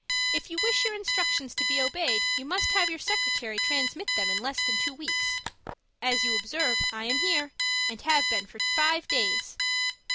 If you wish your instructions to be obeyed, you must have your secretary transmit them in less than two weeks. As you observe, I am here, and have been for five days.